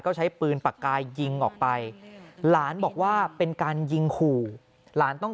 ก็ใช้ปืนปากกายยิงออกไปหลานบอกว่าเป็นการยิงขู่หลานต้อง